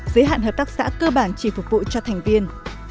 giới hạn hợp tác xã cơ bản chỉ phục vụ cho thành viên